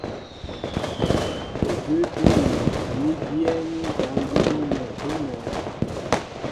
Udʉ́ úmi ní byɛ́ɛ́ní jǎn jí bú nɛ̂ ú mɛ̄ɛ̄.